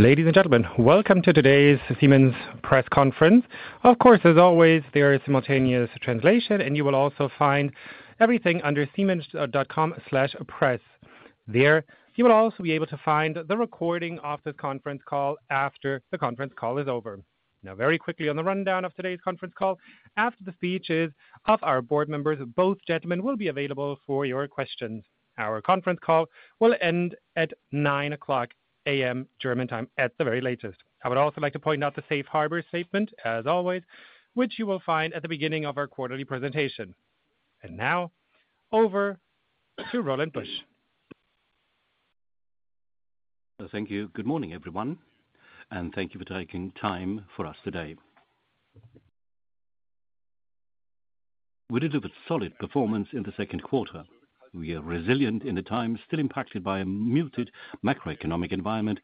Ladies and gentlemen, welcome to today's Siemens press conference. Of course, as always, there is simultaneous translation, and you will also find everything under siemens.com/press. There, you will also be able to find the recording of this conference call after the conference call is over. Now, very quickly on the rundown of today's conference call. After the speeches of our board members, both gentlemen will be available for your questions. Our conference call will end at 9:00 A.M., German time, at the very latest. I would also like to point out the safe harbor statement, as always, which you will find at the beginning of our quarterly presentation. Now over to Roland Busch. Thank you. Good morning, everyone, and thank you for taking time for us today. We delivered solid performance in the second quarter. We are resilient in a time still impacted by a muted macroeconomic environment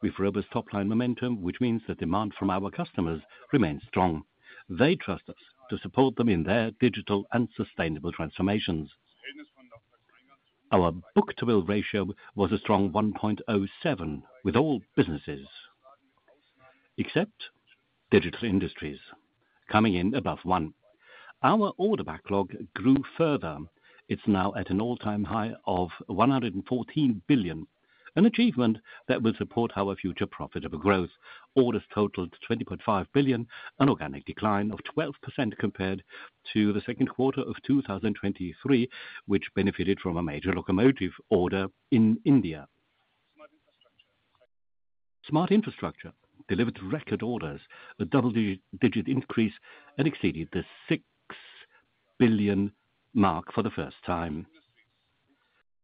with robust top-line momentum, which means that demand from our customers remains strong. They trust us to support them in their digital and sustainable transformations. Our book-to-bill ratio was a strong 1.07, with all businesses except Digital Industries coming in above one. Our order backlog grew further. It's now at an all-time high of 114 billion, an achievement that will support our future profitable growth. Orders totaled 20.5 billion, an organic decline of 12% compared to the second quarter of 2023, which benefited from a major locomotive order in India. Smart Infrastructure delivered record orders, a double-digit increase, and exceeded the 6 billion mark for the first time.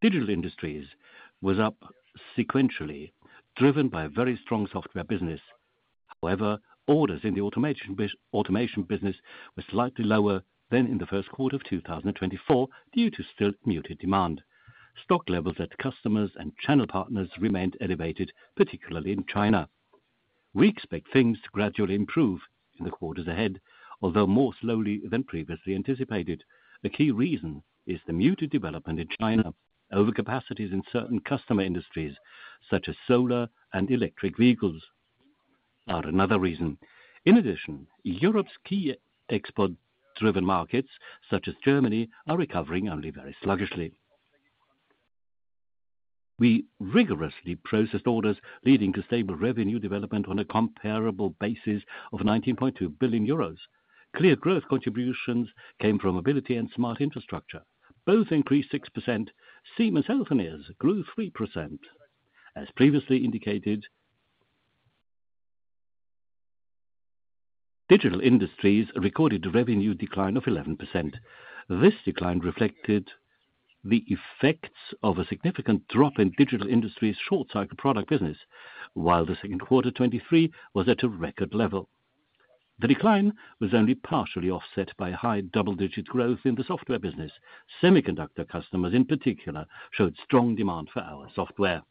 Digital Industries was up sequentially, driven by a very strong software business. However, orders in the automation business were slightly lower than in the first quarter of 2024, due to still muted demand. Stock levels at customers and channel partners remained elevated, particularly in China. We expect things to gradually improve in the quarters ahead, although more slowly than previously anticipated. The key reason is the muted development in China. Overcapacities in certain customer industries, such as solar and electric vehicles, are another reason. In addition, Europe's key export-driven markets, such as Germany, are recovering only very sluggishly. We rigorously processed orders, leading to stable revenue development on a comparable basis of 19.2 billion euros. Clear growth contributions came from Mobility and Smart Infrastructure. Both increased 6%. Siemens Healthineers grew 3%. As previously indicated, Digital Industries recorded a revenue decline of 11%. This decline reflected the effects of a significant drop in Digital Industries' short-cycle product business, while the second quarter 2023 was at a record level. The decline was only partially offset by high double-digit growth in the software business. Semiconductor customers, in particular, showed strong demand for our software.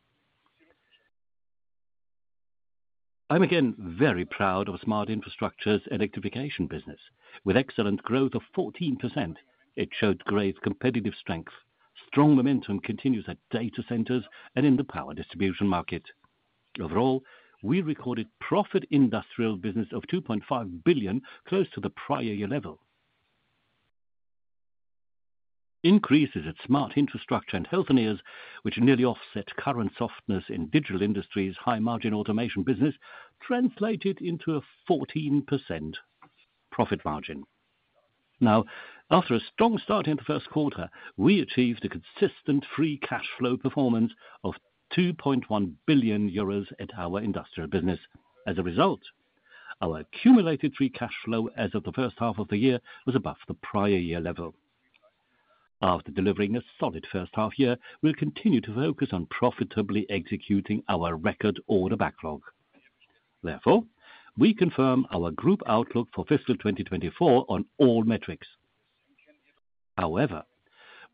I'm again very proud of Smart Infrastructure's electrification business. With excellent growth of 14%, it showed great competitive strength. Strong momentum continues at data centers and in the power distribution market. Overall, we recorded Profit Industrial Business of 2.5 billion, close to the prior year level. Increases at Smart Infrastructure and Healthineers, which nearly offset current softness in Digital Industries' high-margin automation business, translated into a 14% profit margin. Now, after a strong start in the first quarter, we achieved a consistent free cash flow performance of 2.1 billion euros at our industrial business. As a result, our accumulated free cash flow as of the first half of the year, was above the prior year level. After delivering a solid first half year, we'll continue to focus on profitably executing our record order backlog. Therefore, we confirm our group outlook for fiscal 2024 on all metrics. However,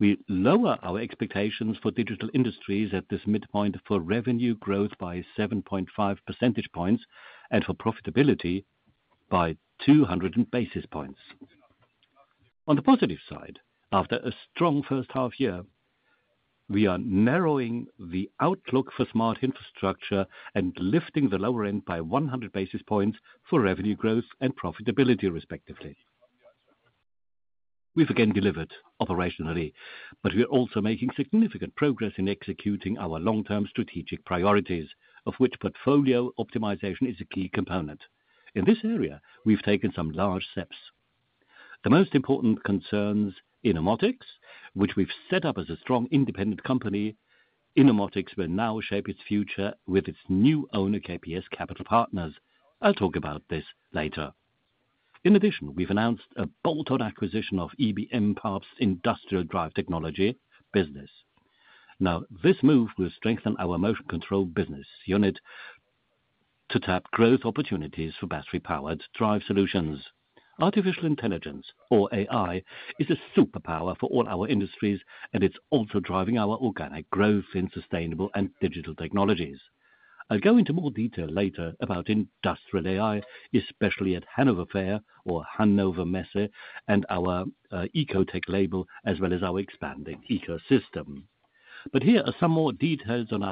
we lower our expectations for Digital Industries at this midpoint for revenue growth by 7.5 percentage points and for profitability by 200 basis points. On the positive side, after a strong first half year, we are narrowing the outlook for Smart Infrastructure and lifting the lower end by 100 basis points for revenue growth and profitability, respectively. We've again delivered operationally, but we are also making significant progress in executing our long-term strategic priorities, of which portfolio optimization is a key component. In this area, we've taken some large steps. The most important concerns Innomotics, which we've set up as a strong independent company. Innomotics will now shape its future with its new owner, KPS Capital Partners. I'll talk about this later. In addition, we've announced a bolt-on acquisition of ebm-papst industrial drive technology business. Now, this move will strengthen our motion control business unit to tap growth opportunities for battery-powered drive solutions. Artificial intelligence, or AI, is a superpower for all our industries, and it's also driving our organic growth in sustainable and digital technologies. I'll go into more detail later about industrial AI, especially at Hannover Messe, and our EcoTech label, as well as our expanding ecosystem. But here are some more details on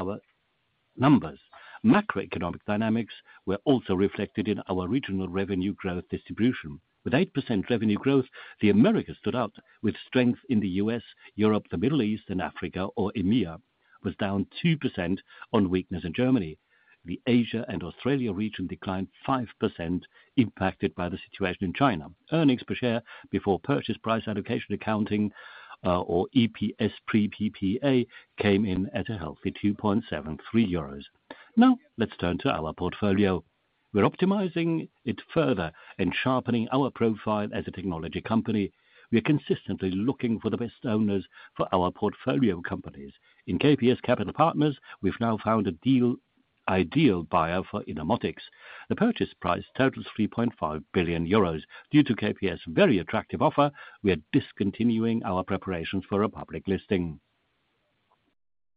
numbers. Macroeconomic dynamics were also reflected in our regional revenue growth distribution. With 8% revenue growth, the Americas stood out with strength in the U.S., Europe, the Middle East and Africa, or EMEA, was down 2% on weakness in Germany. The Asia and Australia region declined 5%, impacted by the situation in China. Earnings per share before purchase price allocation accounting, or EPS pre PPA, came in at a healthy 2.73 euros. Now, let's turn to our portfolio. We're optimizing it further and sharpening our profile as a technology company. We are consistently looking for the best owners for our Portfolio Companies. In KPS Capital Partners, we've now found a deal, ideal buyer for Innomotics. The purchase price totals 3.5 billion euros. Due to KPS' very attractive offer, we are discontinuing our preparations for a public listing.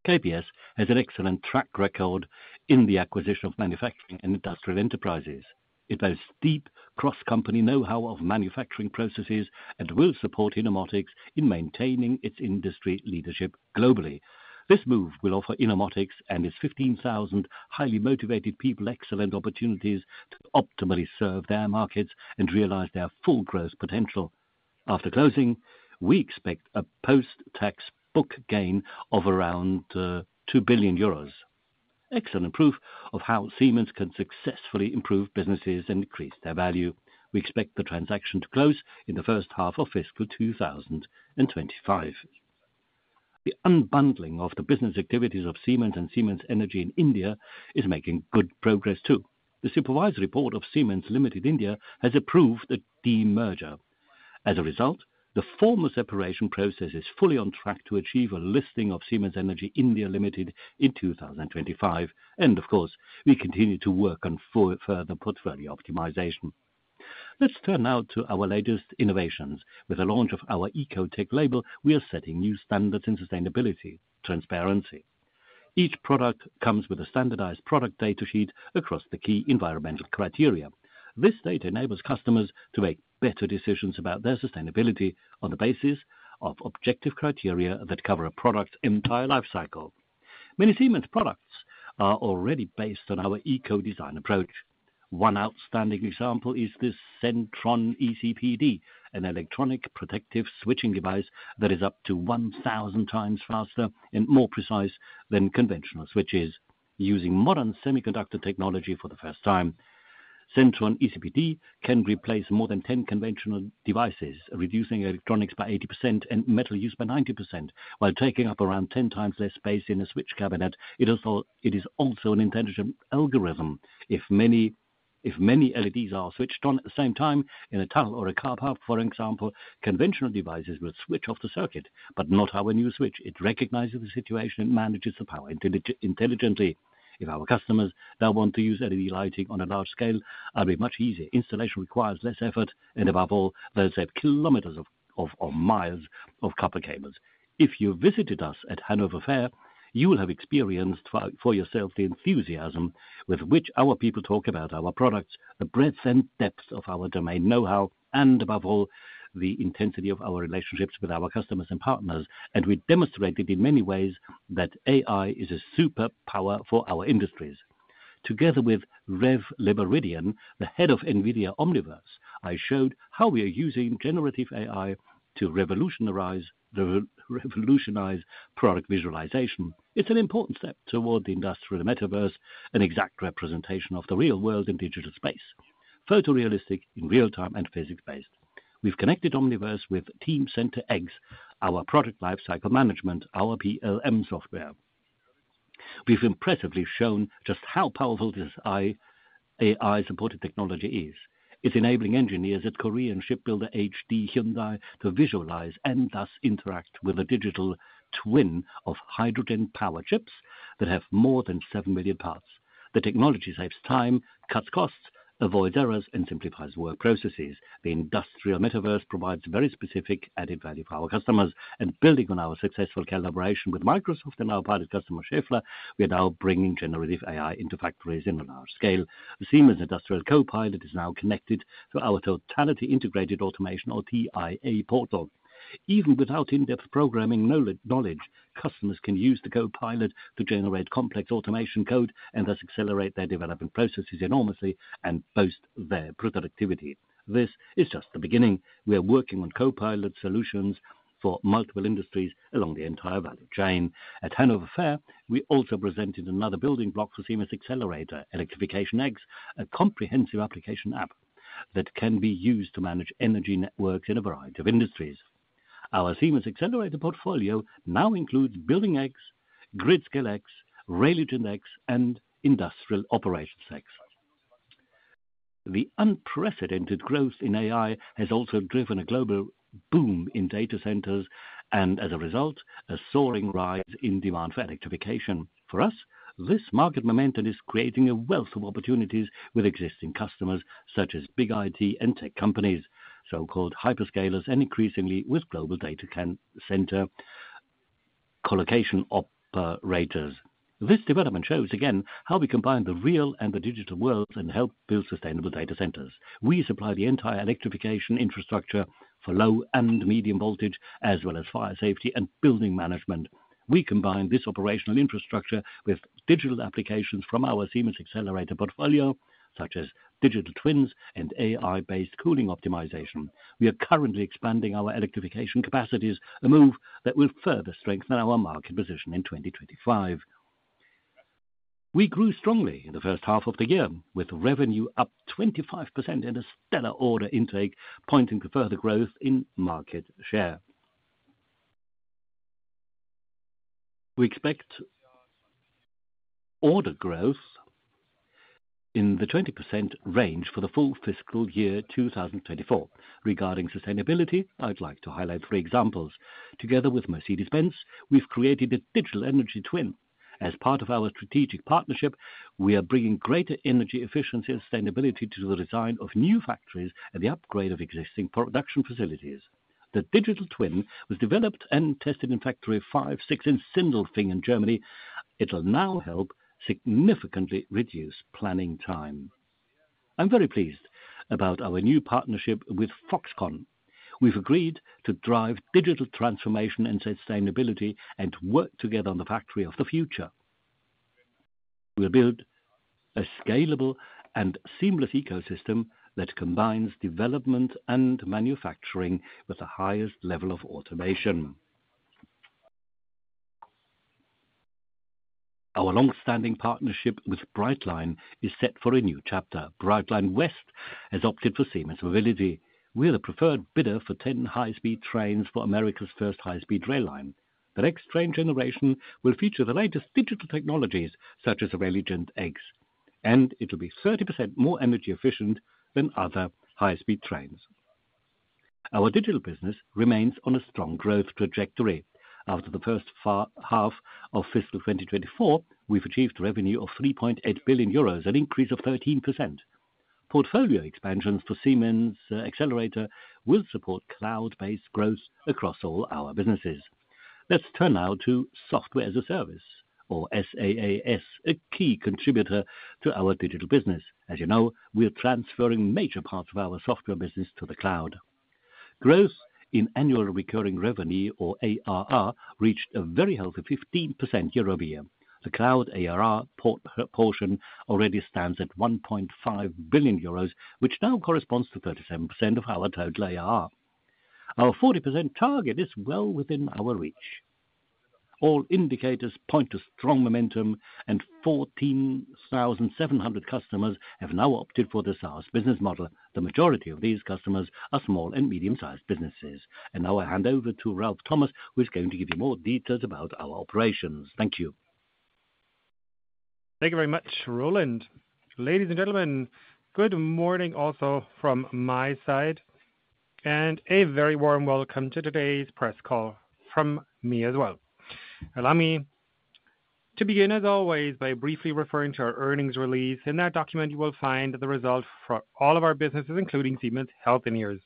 KPS has an excellent track record in the acquisition of manufacturing and industrial enterprises. It boasts deep cross-company know-how of manufacturing processes and will support Innomotics in maintaining its industry leadership globally. This move will offer Innomotics and its 15,000 highly motivated people excellent opportunities to optimally serve their markets and realize their full growth potential. After closing, we expect a post-tax book gain of around 2 billion euros. Excellent proof of how Siemens can successfully improve businesses and increase their value. We expect the transaction to close in the first half of fiscal 2025. The unbundling of the business activities of Siemens and Siemens Energy in India is making good progress, too. The Supervisory Board of Siemens Limited India has approved the demerger. As a result, the formal separation process is fully on track to achieve a listing of Siemens Energy India Limited in 2025, and of course, we continue to work on further portfolio optimization. Let's turn now to our latest innovations. With the launch of our EcoTech label, we are setting new standards in sustainability, transparency. Each product comes with a standardized product data sheet across the key environmental criteria. This data enables customers to make better decisions about their sustainability on the basis of objective criteria that cover a product's entire life cycle. Many Siemens products are already based on our eco-design approach. One outstanding example is this SENTRON ECPD, an electronic protective switching device that is up to 1,000 times faster and more precise than conventional switches. Using modern semiconductor technology for the first time, SENTRON ECPD can replace more than 10 conventional devices, reducing electronics by 80% and metal use by 90%, while taking up around 10 times less space in a switch cabinet. It is also an intelligent algorithm. If many LEDs are switched on at the same time in a tunnel or a car park, for example, conventional devices will switch off the circuit, but not our new switch. It recognizes the situation and manages the power intelligently. If our customers now want to use LED lighting on a large scale, it'll be much easier. Installation requires less effort, and above all, they'll save kilometers of, or miles of copper cables. If you visited us at Hannover Messe, you will have experienced for yourself the enthusiasm with which our people talk about our products, the breadth and depth of our domain know-how, and above all, the intensity of our relationships with our customers and partners. We demonstrated in many ways that AI is a superpower for our industries. Together with Rev Lebaredian, the head of NVIDIA Omniverse, I showed how we are using generative AI to revolutionize product visualization. It's an important step toward the industrial metaverse, an exact representation of the real world in digital space, photorealistic, in real-time, and physics-based. We've connected Omniverse with Teamcenter X, our product lifecycle management, our PLM software. We've impressively shown just how powerful this AI-supported technology is. It's enabling engineers at Korean shipbuilder HD Hyundai to visualize and thus interact with a digital twin of hydrogen-powered ships that have more than 7 million parts. The technology saves time, cuts costs, avoids errors and simplifies work processes. The industrial metaverse provides very specific added value for our customers, and building on our successful collaboration with Microsoft and our pilot customer, Schaeffler, we are now bringing generative AI into factories in a large scale. The Siemens Industrial Copilot is now connected to our Totally Integrated Automation or TIA Portal. Even without in-depth programming knowledge, customers can use the copilot to generate complex automation code and thus accelerate their development processes enormously and boost their productivity. This is just the beginning. We are working on copilot solutions for multiple industries along the entire value chain. At Hannover Fair, we also presented another building block for Siemens Xcelerator, Electrification X, a comprehensive application app that can be used to manage energy networks in a variety of industries. Our Siemens Xcelerator portfolio now includes Building X, Gridscale X, Railigent X, and Industrial Operations X. The unprecedented growth in AI has also driven a global boom in data centers and, as a result, a soaring rise in demand for electrification. For us, this market momentum is creating a wealth of opportunities with existing customers such as big IT and tech companies, so-called hyperscalers, and increasingly with global data center colocation operators. This development shows again how we combine the real and the digital world and help build sustainable data centers. We supply the entire electrification infrastructure for low and medium voltage, as well as fire safety and building management. We combine this operational infrastructure with digital applications from our Siemens Xcelerator portfolio, such as digital twins and AI-based cooling optimization. We are currently expanding our electrification capacities, a move that will further strengthen our market position in 2025. We grew strongly in the first half of the year, with revenue up 25% and a stellar order intake, pointing to further growth in market share. We expect order growth in the 20% range for the full fiscal year 2024. Regarding sustainability, I'd like to highlight three examples. Together with Mercedes-Benz, we've created a digital energy twin. As part of our strategic partnership, we are bringing greater energy efficiency and sustainability to the design of new factories and the upgrade of existing production facilities. The digital twin was developed and tested in Factory 56 in Sindelfingen, Germany. It'll now help significantly reduce planning time. I'm very pleased about our new partnership with Foxconn. We've agreed to drive digital transformation and sustainability and work together on the factory of the future. We'll build a scalable and seamless ecosystem that combines development and manufacturing with the highest level of automation. Our long-standing partnership with Brightline is set for a new chapter. Brightline West has opted for Siemens Mobility. We're the preferred bidder for 10 high-speed trains for America's first high-speed rail line. The next train generation will feature the latest digital technologies, such as Railigent X, and it'll be 30% more energy efficient than other high-speed trains. Our digital business remains on a strong growth trajectory. After the first half of fiscal 2024, we've achieved revenue of 3.8 billion euros, an increase of 13%. Portfolio expansions to Siemens Xcelerator will support cloud-based growth across all our businesses. Let's turn now to Software as a Service or SaaS, a key contributor to our digital business. As you know, we are transferring major parts of our software business to the cloud. Growth in annual recurring revenue, or ARR, reached a very healthy 15% year over year. The cloud ARR proportion already stands at 1.5 billion euros, which now corresponds to 37% of our total ARR. Our 40% target is well within our reach. All indicators point to strong momentum, and 14,700 customers have now opted for the SaaS business model. The majority of these customers are small and medium-sized businesses. And now I hand over to Ralf Thomas, who is going to give you more details about our operations. Thank you. Thank you very much, Roland. Ladies and gentlemen, good morning also from my side, and a very warm welcome to today's press call from me as well. Allow me to begin, as always, by briefly referring to our earnings release. In that document, you will find the results for all of our businesses, including Siemens Healthineers.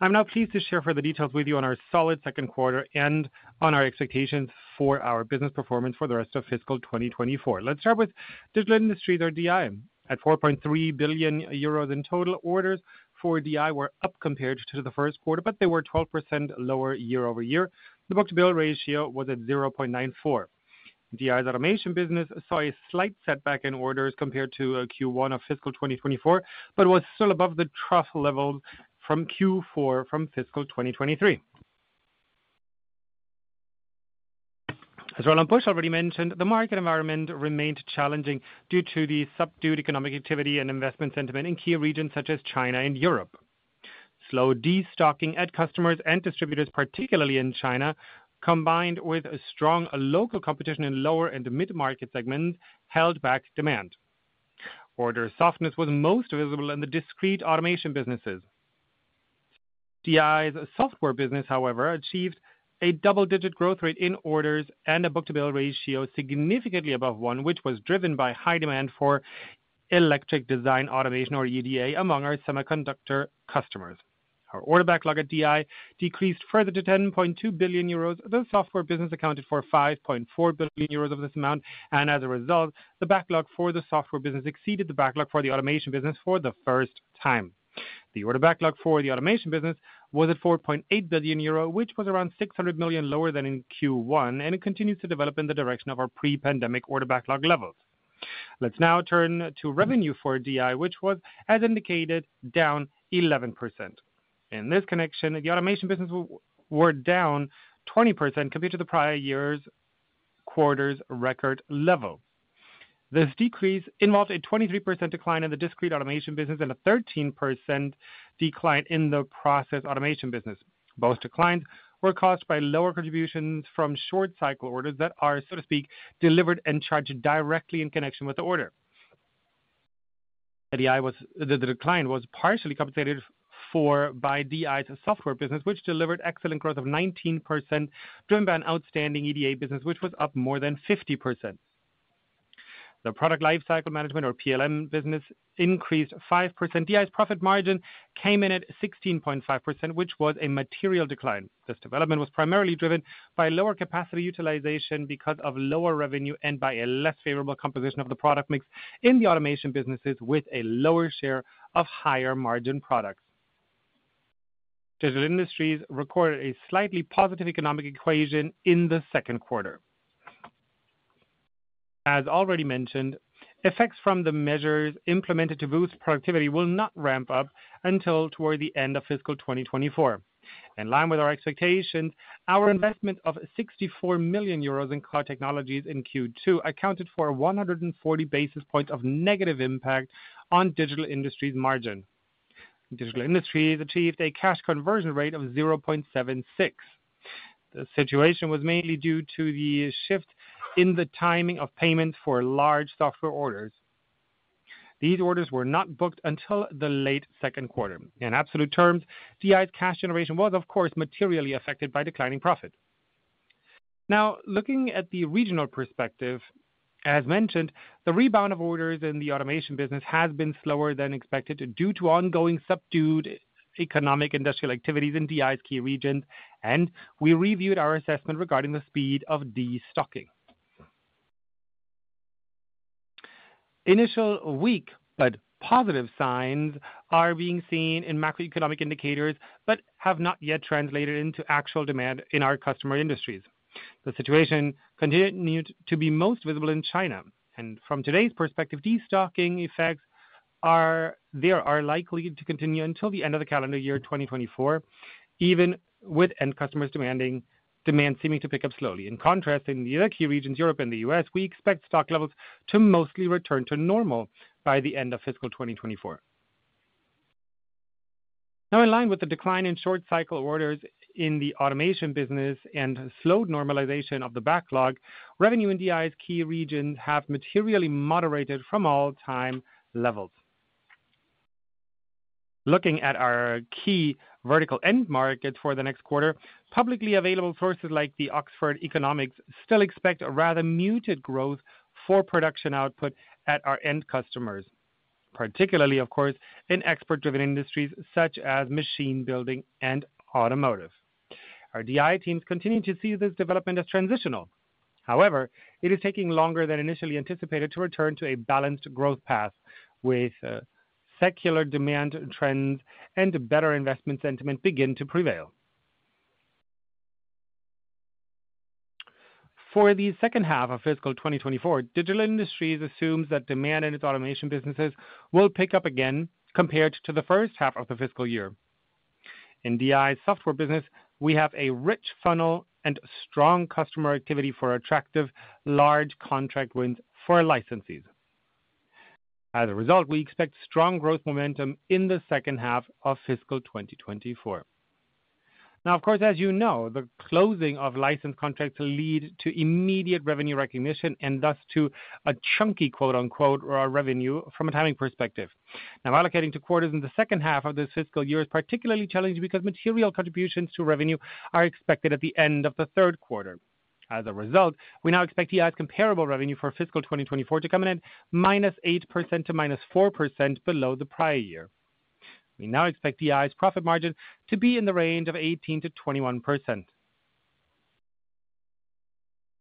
I'm now pleased to share further details with you on our solid second quarter and on our expectations for our business performance for the rest of fiscal 2024. Let's start with Digital Industries or DI. At 4.3 billion euros in total, orders for DI were up compared to the first quarter, but they were 12% lower year-over-year. The book-to-bill ratio was at 0.94. DI's automation business saw a slight setback in orders compared to Q1 of fiscal 2024, but was still above the trough level from Q4 of fiscal 2023. As Roland Busch already mentioned, the market environment remained challenging due to the subdued economic activity and investment sentiment in key regions such as China and Europe. Slow destocking at customers and distributors, particularly in China, combined with a strong local competition in lower and the mid-market segment, held back demand. Order softness was most visible in the discrete automation businesses. DI's software business, however, achieved a double-digit growth rate in orders and a book-to-bill ratio significantly above one, which was driven by high demand for electronic design automation, or EDA, among our semiconductor customers. Our order backlog at DI decreased further to 10.2 billion euros. The software business accounted for 5.4 billion euros of this amount, and as a result, the backlog for the software business exceeded the backlog for the automation business for the first time. The order backlog for the automation business was at 4.8 billion euro, which was around 600 million lower than in Q1, and it continues to develop in the direction of our pre-pandemic order backlog levels. Let's now turn to revenue for DI, which was, as indicated, down 11%. In this connection, the automation business were down 20% compared to the prior year's quarter's record level. This decrease involves a 23% decline in the discrete automation business and a 13% decline in the process automation business. Both declines were caused by lower contributions from short cycle orders that are, so to speak, delivered and charged directly in connection with the order. The decline was partially compensated for by DI's software business, which delivered excellent growth of 19%, driven by an outstanding EDA business, which was up more than 50%. The Product Lifecycle Management, or PLM, business increased 5%. DI's profit margin came in at 16.5%, which was a material decline. This development was primarily driven by lower capacity utilization because of lower revenue and by a less favorable composition of the product mix in the automation businesses, with a lower share of higher-margin products... Digital Industries recorded a slightly positive economic equation in the second quarter. As already mentioned, effects from the measures implemented to boost productivity will not ramp up until toward the end of fiscal 2024. In line with our expectation, our investment of 64 million euros in cloud technologies in Q2 accounted for 140 basis points of negative impact on Digital Industries' margin. Digital Industries achieved a cash conversion rate of 0.76. The situation was mainly due to the shift in the timing of payment for large software orders. These orders were not booked until the late second quarter. In absolute terms, DI's cash generation was, of course, materially affected by declining profit. Now, looking at the regional perspective, as mentioned, the rebound of orders in the automation business has been slower than expected, due to ongoing subdued economic industrial activities in DI's key regions, and we reviewed our assessment regarding the speed of destocking. Initial weak but positive signs are being seen in macroeconomic indicators, but have not yet translated into actual demand in our customer industries. The situation continued to be most visible in China, and from today's perspective, destocking effects are likely to continue until the end of the calendar year 2024, even with end customers demanding, demand seeming to pick up slowly. In contrast, in the other key regions, Europe and the US, we expect stock levels to mostly return to normal by the end of fiscal 2024. Now, in line with the decline in short cycle orders in the automation business and slowed normalization of the backlog, revenue in DI's key regions have materially moderated from all-time levels. Looking at our key vertical end market for the next quarter, publicly available sources like the Oxford Economics still expect a rather muted growth for production output at our end customers, particularly, of course, in export-driven industries such as machine building and automotive. Our DI teams continue to see this development as transitional. However, it is taking longer than initially anticipated to return to a balanced growth path with, secular demand trends and a better investment sentiment begin to prevail. For the second half of fiscal 2024, Digital Industries assumes that demand in its automation businesses will pick up again, compared to the first half of the fiscal year. In DI's software business, we have a rich funnel and strong customer activity for attractive large contract wins for licensees. As a result, we expect strong growth momentum in the second half of fiscal 2024. Now, of course, as you know, the closing of license contracts lead to immediate revenue recognition and thus to a chunky, quote, unquote, "raw revenue" from a timing perspective. Now, allocating to quarters in the second half of this fiscal year is particularly challenging because material contributions to revenue are expected at the end of the third quarter. As a result, we now expect DI's comparable revenue for fiscal 2024 to come in at -8% to -4% below the prior year. We now expect DI's profit margin to be in the range of 18%-21%.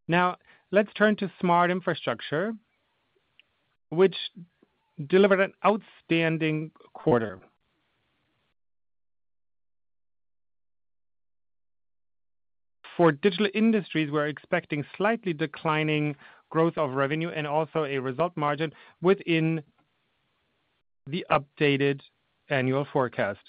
Now, let's turn to Smart Infrastructure, which delivered an outstanding quarter. For Digital Industries, we're expecting slightly declining growth of revenue and also a result margin within the updated annual forecast.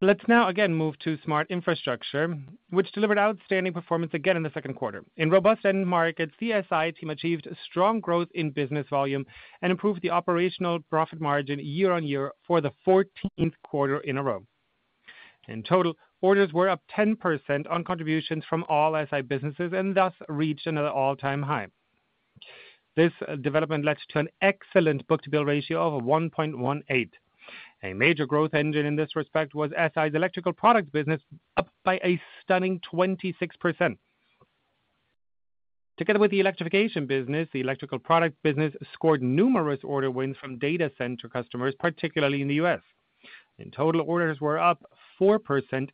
Let's now again move to Smart Infrastructure, which delivered outstanding performance again in the second quarter. In robust end markets, SI team achieved strong growth in business volume and improved the operational profit margin year-on-year for the fourteenth quarter in a row. In total, orders were up 10% on contributions from all SI businesses, and thus reached another all-time high. This development led to an excellent book-to-bill ratio of 1.18. A major growth engine in this respect was SI's electrical product business, up by a stunning 26%. Together with the electrification business, the electrical product business scored numerous order wins from data center customers, particularly in the U.S. In total, orders were up 4%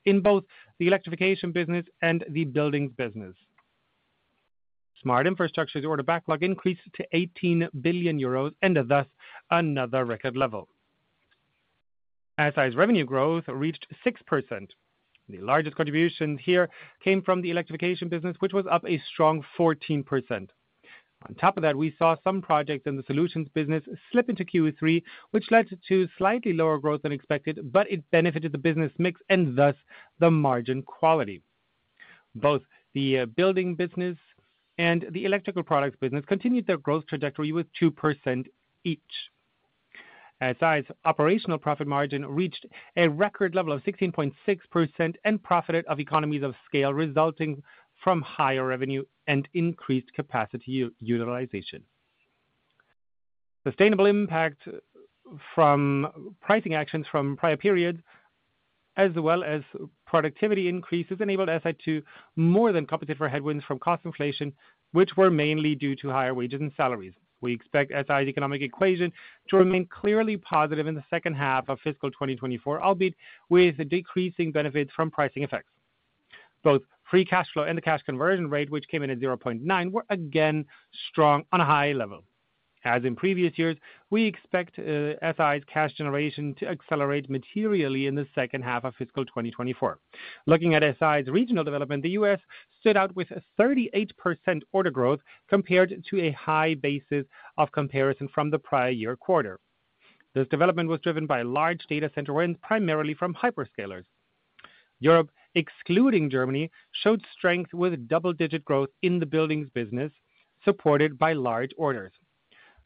in both the electrification business and the buildings business. Smart Infrastructure's order backlog increased to 18 billion euros, and thus, another record level. SI's revenue growth reached 6%. The largest contribution here came from the electrification business, which was up a strong 14%. On top of that, we saw some projects in the solutions business slip into Q3, which led to slightly lower growth than expected, but it benefited the business mix and thus the margin quality. Both the building business and the electrical products business continued their growth trajectory with 2% each. SI's operational profit margin reached a record level of 16.6%, and profited from economies of scale resulting from higher revenue and increased capacity utilization. Sustainable impact from pricing actions from prior periods, as well as productivity increases, enabled SI to more than compensate for headwinds from cost inflation, which were mainly due to higher wages and salaries. We expect SI's economic equation to remain clearly positive in the second half of fiscal 2024, albeit with decreasing benefits from pricing effects. Both free cash flow and the cash conversion rate, which came in at 0.9, were again strong on a high level. As in previous years, we expect SI's cash generation to accelerate materially in the second half of fiscal 2024. Looking at SI's regional development, the U.S. stood out with a 38% order growth compared to a high basis of comparison from the prior year quarter. This development was driven by large data center wins, primarily from hyperscalers. Europe, excluding Germany, showed strength with double-digit growth in the buildings business, supported by large orders.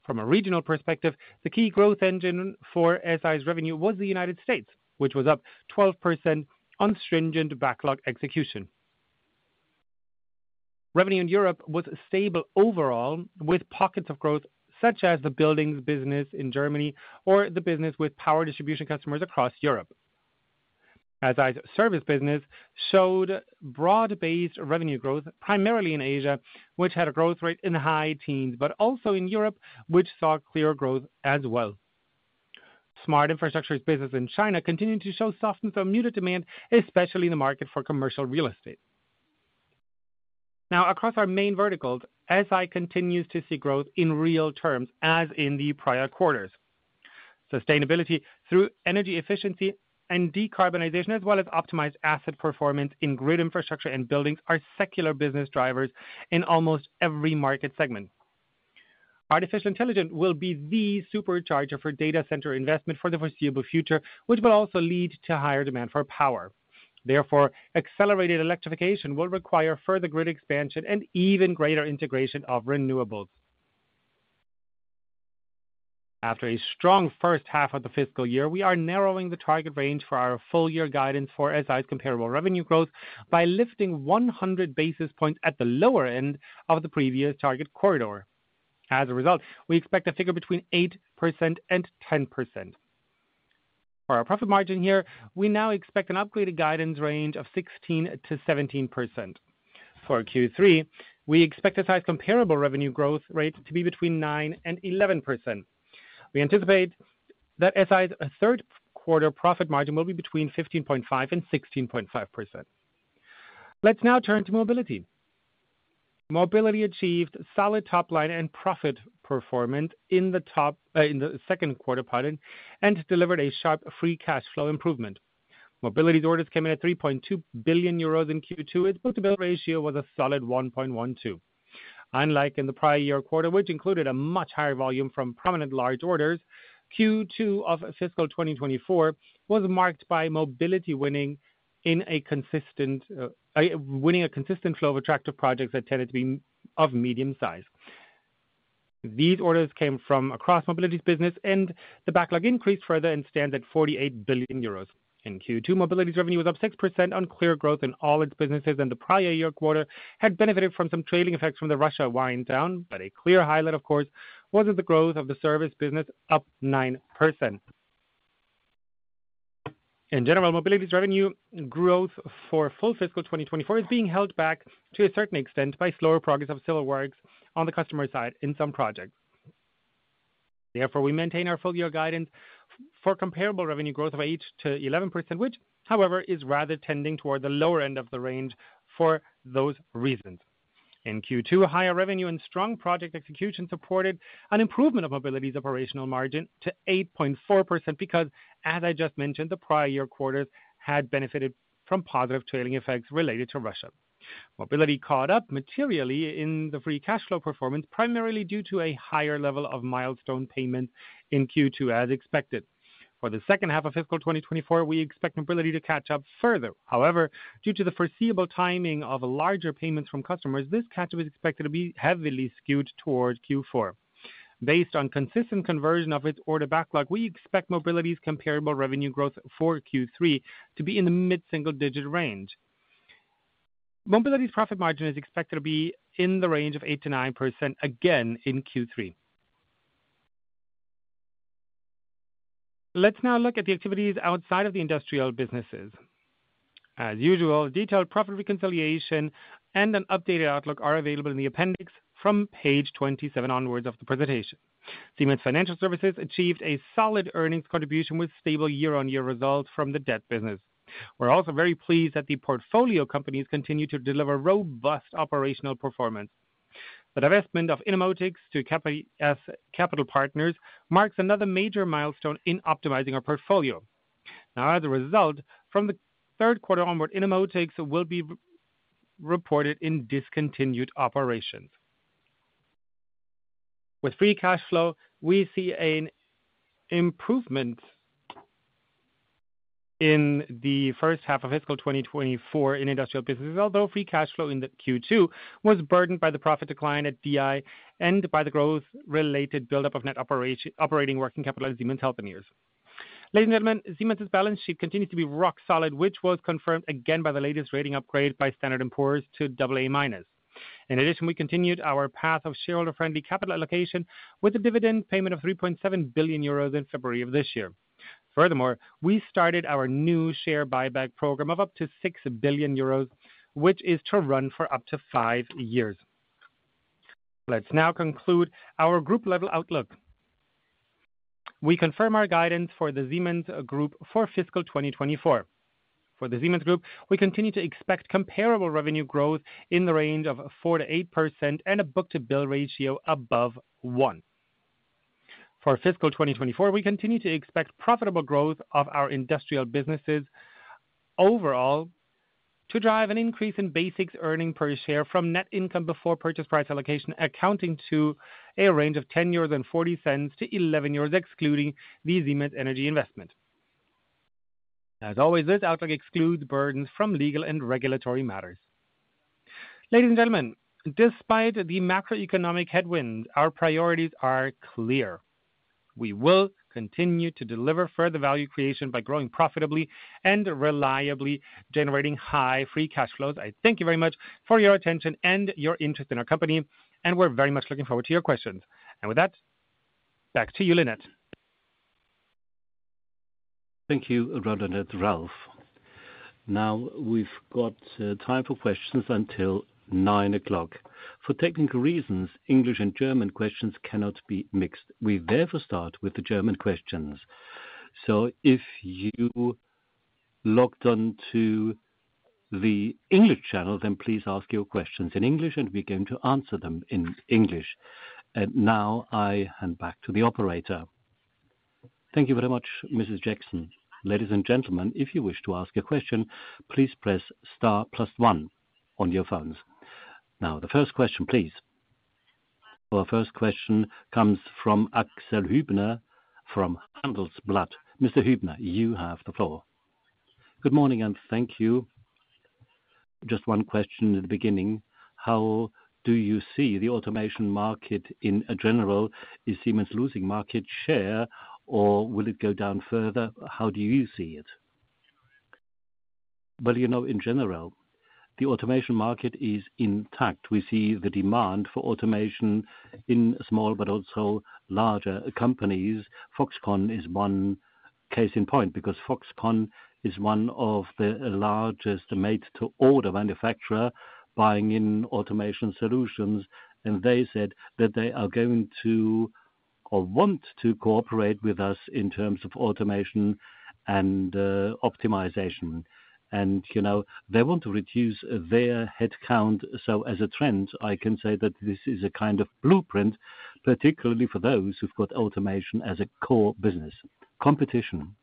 From a regional perspective, the key growth engine for SI's revenue was the United States, which was up 12% on stringent backlog execution. Revenue in Europe was stable overall, with pockets of growth such as the buildings business in Germany or the business with power distribution customers across Europe. As SI's service business showed broad-based revenue growth, primarily in Asia, which had a growth rate in the high teens, but also in Europe, which saw clear growth as well. Smart Infrastructure's business in China continued to show softness on muted demand, especially in the market for commercial real estate. Now, across our main verticals, SI continues to see growth in real terms, as in the prior quarters. Sustainability through energy efficiency and decarbonization, as well as optimized asset performance in grid infrastructure and buildings, are secular business drivers in almost every market segment. Artificial intelligence will be the supercharger for data center investment for the foreseeable future, which will also lead to higher demand for power. Therefore, accelerated electrification will require further grid expansion and even greater integration of renewables. After a strong first half of the fiscal year, we are narrowing the target range for our full year guidance for SI's comparable revenue growth by lifting 100 basis points at the lower end of the previous target corridor. As a result, we expect a figure between 8% and 10%. For our profit margin here, we now expect an upgraded guidance range of 16%-17%. For Q3, we expect SI's comparable revenue growth rate to be between 9% and 11%. We anticipate that SI's third quarter profit margin will be between 15.5% and 16.5%. Let's now turn to Mobility. Mobility achieved solid top line and profit performance in the second quarter, pardon, and delivered a sharp free cash flow improvement. Mobility's orders came in at 3.2 billion euros in Q2. Its book-to-bill ratio was a solid 1.12. Unlike in the prior year quarter, which included a much higher volume from prominent large orders, Q2 of fiscal 2024 was marked by Mobility winning a consistent flow of attractive projects that tended to be of medium size. These orders came from across Mobility's business, and the backlog increased further and stands at 48 billion euros. In Q2, Mobility's revenue was up 6% on clear growth in all its businesses, and the prior year quarter had benefited from some trailing effects from the Russia wind down. But a clear highlight, of course, was in the growth of the service business, up 9%. In general, Mobility's revenue growth for full fiscal 2024 is being held back to a certain extent by slower progress of civil works on the customer side in some projects. Therefore, we maintain our full year guidance for comparable revenue growth of 8%-11%, which, however, is rather tending toward the lower end of the range for those reasons. In Q2, higher revenue and strong project execution supported an improvement of Mobility's operational margin to 8.4%, because, as I just mentioned, the prior year quarters had benefited from positive trailing effects related to Russia. Mobility caught up materially in the free cash flow performance, primarily due to a higher level of milestone payments in Q2, as expected. For the second half of fiscal 2024, we expect Mobility to catch up further. However, due to the foreseeable timing of larger payments from customers, this catch-up is expected to be heavily skewed towards Q4. Based on consistent conversion of its order backlog, we expect Mobility's comparable revenue growth for Q3 to be in the mid-single digit range. Mobility's profit margin is expected to be in the range of 8%-9% again in Q3. Let's now look at the activities outside of the industrial businesses. As usual, detailed profit reconciliation and an updated outlook are available in the appendix from page 27 onwards of the presentation. Siemens Financial Services achieved a solid earnings contribution with stable year-on-year results from the debt business. We're also very pleased that the portfolio companies continue to deliver robust operational performance. The divestment of Innomotics to KPS Capital Partners marks another major milestone in optimizing our portfolio. Now, as a result, from the third quarter onward, Innomotics will be reported in discontinued operations. With free cash flow, we see an improvement in the first half of fiscal 2024 in industrial businesses, although free cash flow in the Q2 was burdened by the profit decline at DI and by the growth-related buildup of net operating working capital at Siemens Healthineers. Ladies and gentlemen, Siemens's balance sheet continues to be rock solid, which was confirmed again by the latest rating upgrade by Standard & Poor's to AA-. In addition, we continued our path of shareholder-friendly capital allocation with a dividend payment of 3.7 billion euros in February of this year. Furthermore, we started our new share buyback program of up to 6 billion euros, which is to run for up to five years. Let's now conclude our group-level outlook.... We confirm our guidance for the Siemens Group for fiscal 2024. For the Siemens Group, we continue to expect comparable revenue growth in the range of 4%-8% and a book-to-bill ratio above 1. For fiscal 2024, we continue to expect profitable growth of our industrial businesses overall, to drive an increase in basic earnings per share from net income before purchase price allocation accounting to a range of €10.40-€11, excluding the Siemens Energy investment. As always, this outlook excludes burdens from legal and regulatory matters. Ladies and gentlemen, despite the macroeconomic headwind, our priorities are clear. We will continue to deliver further value creation by growing profitably and reliably generating high free cash flows. I thank you very much for your attention and your interest in our company, and we're very much looking forward to your questions. With that, back to you, Lynette. Thank you, Roland and Ralf. Now, we've got time for questions until 9:00 A.M. For technical reasons, English and German questions cannot be mixed. We therefore start with the German questions. So if you logged on to the English channel, then please ask your questions in English, and we're going to answer them in English. And now I hand back to the operator. Thank you very much, Mrs. Jackson. Ladies and gentlemen, if you wish to ask a question, please press star plus one on your phones. Now, the first question, please. Our first question comes from Axel Höpner, from Handelsblatt. Mr. Höpner, you have the floor. Good morning, and thank you. Just one question at the beginning: How do you see the automation market in general? Is Siemens losing market share, or will it go down further? How do you see it? Well, you know, in general, the automation market is intact. We see the demand for automation in small but also larger companies. Foxconn is one case in point, because Foxconn is one of the largest made-to-order manufacturer, buying in automation solutions, and they said that they are going to or want to cooperate with us in terms of automation and optimization. You know, they want to reduce their headcount. As a trend, I can say that this is a kind of blueprint, particularly for those who've got automation as a core business. Competition,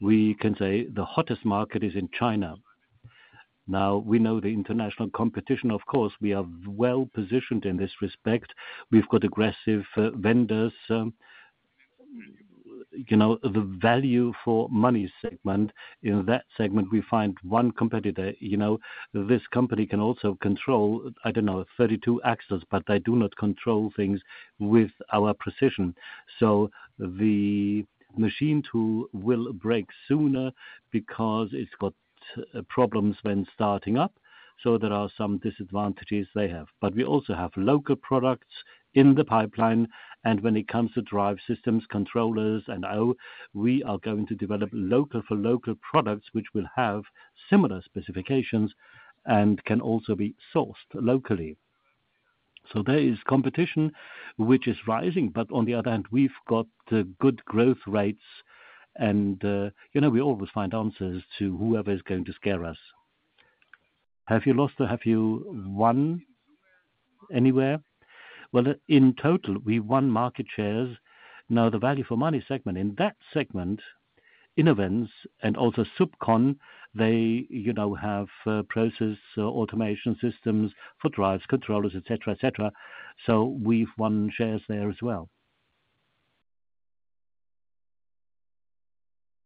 we can say the hottest market is in China. Now, we know the international competition. Of course, we are well positioned in this respect. We've got aggressive vendors, you know, the value for money segment. In that segment, we find one competitor. You know, this company can also control, I don't know, 32 axes, but they do not control things with our precision. So the machine tool will break sooner because it's got problems when starting up, so there are some disadvantages they have. But we also have local products in the pipeline, and when it comes to drive systems, controllers, and oh, we are going to develop local for local products, which will have similar specifications and can also be sourced locally. So there is competition, which is rising, but on the other hand, we've got good growth rates and you know, we always find answers to whoever is going to scare us. Have you lost or have you won anywhere? Well, in total, we won market shares. Now, the value for money segment, in that segment, Inovance and also Supcon, they, you know, have process automation systems for drives, controllers, et cetera, et cetera. So we've won shares there as well.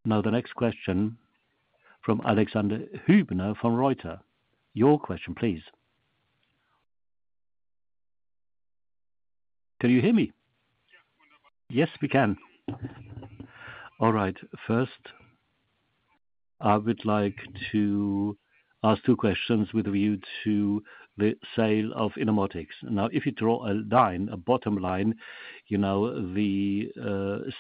Now, the next question from Alexander Huebner, from Reuters. Your question, please. Can you hear me? Yes, we can. All right. First, I would like to ask two questions with regard to the sale of Innomotics. Now, if you draw a line, a bottom line, you know, the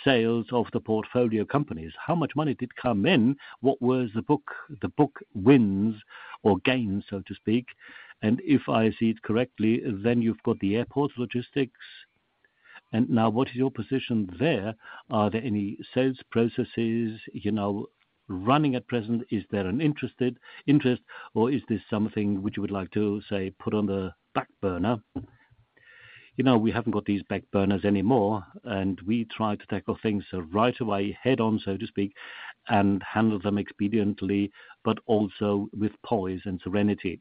sales of the portfolio companies, how much money did come in? What was the book, the book wins or gains, so to speak? And if I see it correctly, then you've got the airport logistics, and now what is your position there? Are there any sales processes, you know, running at present? Is there an interested interest, or is this something which you would like to, say, put on the back burner? You know, we haven't got these back burners anymore, and we try to tackle things right away, head on, so to speak, and handle them expediently, but also with poise and serenity.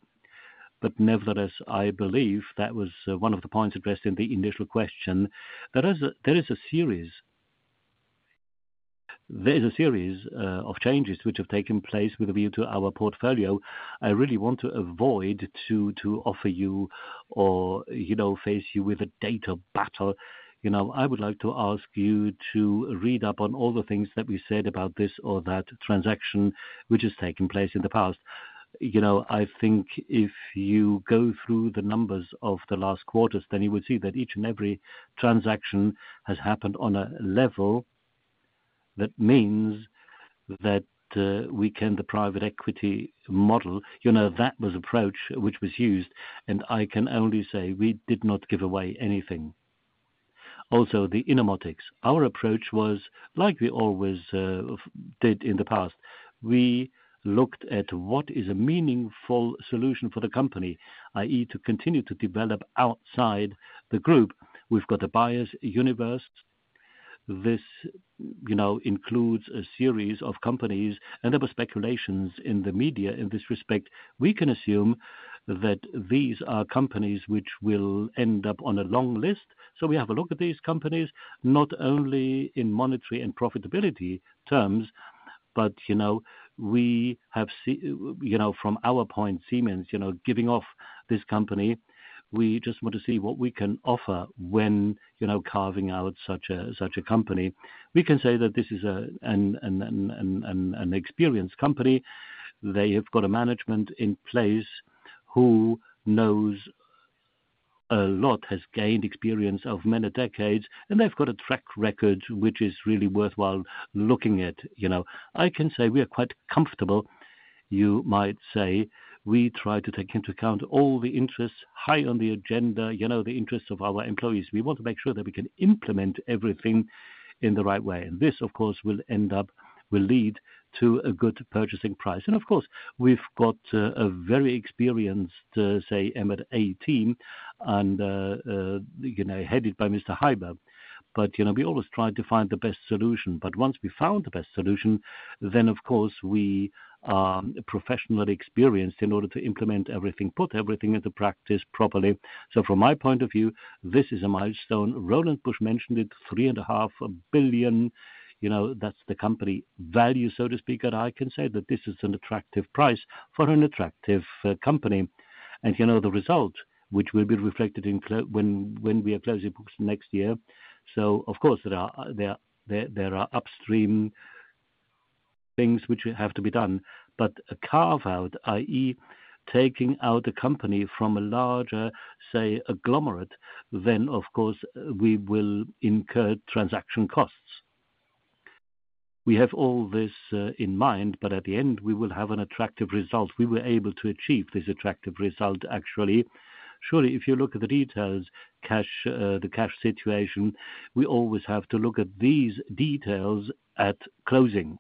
But nevertheless, I believe that was one of the points addressed in the initial question. There is a series of changes which have taken place with view to our portfolio. I really want to avoid to offer you or, you know, face you with a data battle. You know, I would like to ask you to read up on all the things that we said about this or that transaction which has taken place in the past. You know, I think if you go through the numbers of the last quarters, then you will see that each and every transaction has happened on a level-... That means that, we can, the private equity model, you know, that was approach which was used, and I can only say we did not give away anything. Also, the Innomotics, our approach was like we always, did in the past. We looked at what is a meaningful solution for the company, i.e., to continue to develop outside the group. We've got the buyers universe. This, you know, includes a series of companies, and there were speculations in the media in this respect. We can assume that these are companies which will end up on a long list. So we have a look at these companies, not only in monetary and profitability terms, but, you know, we have seen, you know, from our point, Siemens, you know, giving off this company, we just want to see what we can offer when, you know, carving out such a company. We can say that this is an experienced company. They have got a management in place who knows a lot, has gained experience of many decades, and they've got a track record which is really worthwhile looking at, you know. I can say we are quite comfortable, you might say. We try to take into account all the interests, high on the agenda, you know, the interests of our employees. We want to make sure that we can implement everything in the right way, and this, of course, will end up, will lead to a good purchasing price. And of course, we've got a very experienced, say, M&A team, and, you know, headed by Mr. Hieber. But, you know, we always try to find the best solution. But once we found the best solution, then of course we are professionally experienced in order to implement everything, put everything into practice properly. So from my point of view, this is a milestone. Roland Busch mentioned it, 3.5 billion. You know, that's the company value, so to speak, and I can say that this is an attractive price for an attractive, company. And, you know, the result, which will be reflected in clo-- when, when we are closing books next year. So of course, there are upstream things which will have to be done. But a carve-out, i.e., taking out a company from a larger, say, agglomerate, then of course we will incur transaction costs. We have all this in mind, but at the end, we will have an attractive result. We were able to achieve this attractive result, actually. Surely, if you look at the details, cash, the cash situation, we always have to look at these details at closing.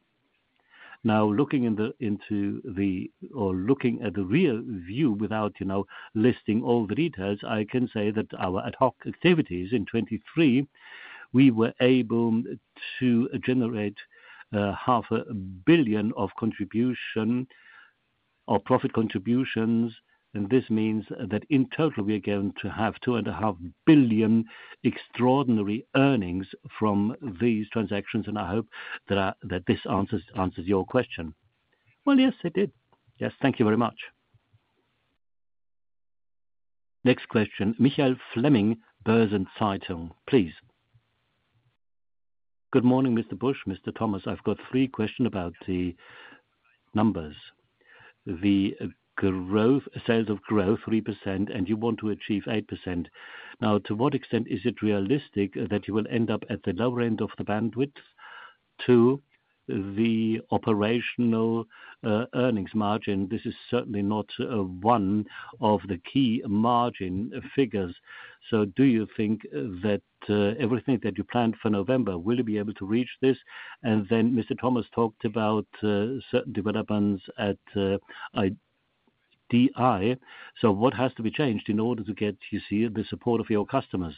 Now, looking in the, into the, or looking at the real view without, you know, listing all the details, I can say that our ad hoc activities in 2023, we were able to generate 500 million of contribution or profit contributions, and this means that in total, we are going to have 2.5 billion extraordinary earnings from these transactions, and I hope that this answers your question. Well, yes, it did. Yes, thank you very much. Next question, Michael Flämig, Börsen-Zeitung. Please. Good morning, Mr. Busch, Mr. Thomas, I've got three question about the numbers. The growth, sales of growth 3%, and you want to achieve 8%. Now, to what extent is it realistic that you will end up at the lower end of the bandwidth? Two, the operational earnings margin, this is certainly not one of the key margin figures. So do you think that everything that you planned for November, will you be able to reach this? And then Mr. Thomas talked about certain developments at DI. So what has to be changed in order to get, you see, the support of your customers?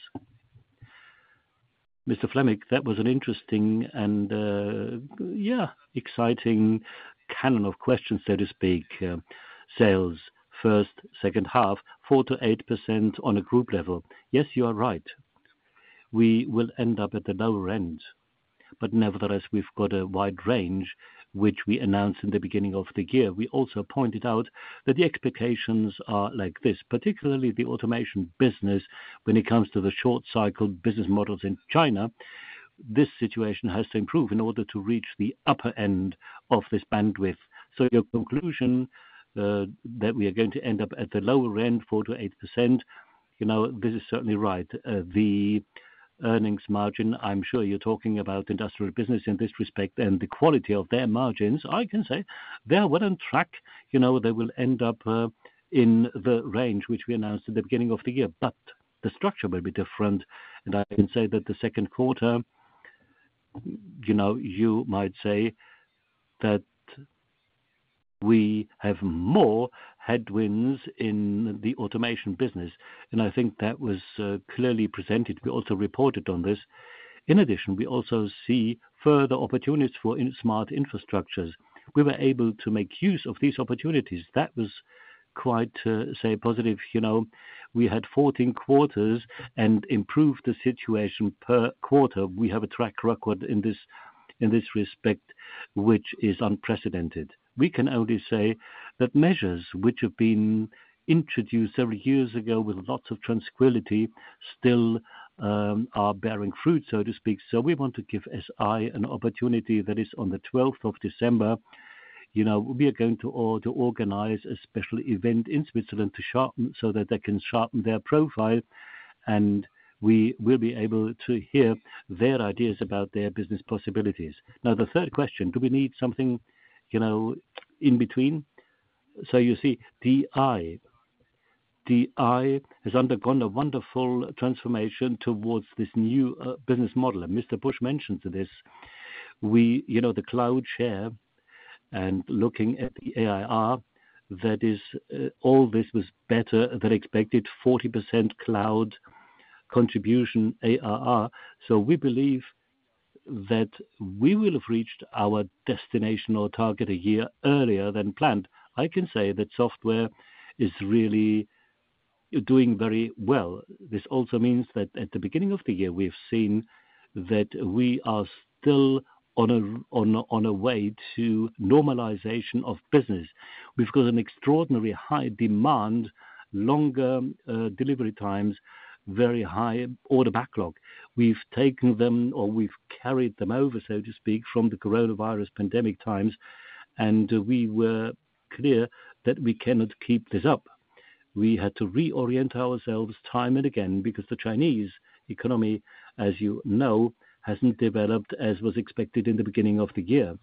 Mr. Flämig, that was an interesting and yeah, exciting canon of questions, so to speak. Sales first, second half, 4%-8% on a group level. Yes, you are right. We will end up at the lower end, but nevertheless, we've got a wide range, which we announced in the beginning of the year. We also pointed out that the expectations are like this, particularly the automation business. When it comes to the short cycle business models in China, this situation has to improve in order to reach the upper end of this bandwidth. So your conclusion that we are going to end up at the lower end, 4%-8%, you know, this is certainly right. The earnings margin, I'm sure you're talking about industrial business in this respect and the quality of their margins, I can say they are well on track. You know, they will end up in the range which we announced at the beginning of the year, but the structure may be different, and I can say that the second quarter, you know, you might say that we have more headwinds in the automation business, and I think that was clearly presented. We also reported on this. In addition, we also see further opportunities for in smart infrastructures. We were able to make use of these opportunities. That was quite, say, positive, you know. We had 14 quarters and improved the situation per quarter. We have a track record in this, in this respect, which is unprecedented. We can only say that measures which have been introduced several years ago with lots of tranquility, still, are bearing fruit, so to speak. So we want to give SI an opportunity, that is, on the twelfth of December. You know, we are going to all to organize a special event in Switzerland to sharpen, so that they can sharpen their profile, and we will be able to hear their ideas about their business possibilities. Now, the third question: Do we need something, you know, in between? So you see, DI, DI has undergone a wonderful transformation towards this new, business model, and Mr. Busch mentioned this. We, you know, the cloud share and looking at the ARR, that is, all this was better than expected, 40% cloud contribution ARR. So we believe that we will have reached our destination or target a year earlier than planned. I can say that software is really doing very well. This also means that at the beginning of the year, we've seen that we are still on a way to normalization of business. We've got an extraordinarily high demand, longer delivery times, very high order backlog. We've taken them or we've carried them over, so to speak, from the coronavirus pandemic times, and we were clear that we cannot keep this up. We had to reorient ourselves time and again, because the Chinese economy, as you know, hasn't developed as was expected in the beginning of the year.